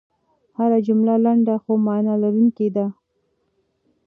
هره جمله لنډه خو مانا لرونکې ده.